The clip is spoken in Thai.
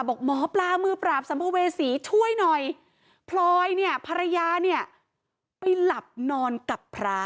บอกหมอปลามือปราบสัมภเวษีช่วยหน่อยพลอยเนี่ยภรรยาเนี่ยไปหลับนอนกับพระ